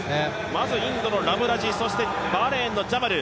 まず、インドのラムラジバーレーンのジャマル。